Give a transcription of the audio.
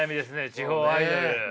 地方アイドル。